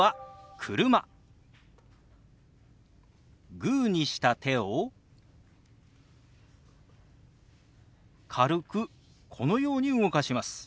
グーにした手を軽くこのように動かします。